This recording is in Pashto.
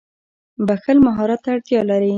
• بښل مهارت ته اړتیا لري.